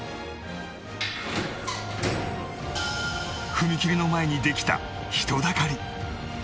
踏切の前にできた人だかり